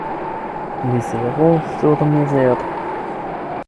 Mizero sur mizero.